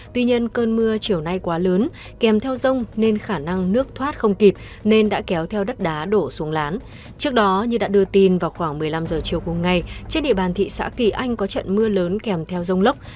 tuy nhiên cơn mưa chiều nay quá lớn kèm theo rông nên khả năng nước thoát không kịp nên đã kéo theo đất đá đổ xuống lán trước đó như đã đưa tin vào khoảng một mươi năm h chiều cùng ngày trên địa bàn thị xã kỳ anh có trận mưa lớn kèm theo rông lốc